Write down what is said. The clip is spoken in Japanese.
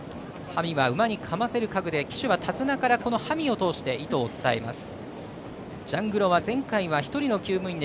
ハミは馬にかませる馬具で騎手は手綱からこのハミを通して意図を伝えます。